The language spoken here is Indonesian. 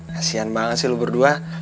kasian banget sih lu berdua